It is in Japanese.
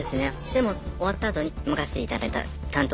でも終わったあとに任せていただいた担当から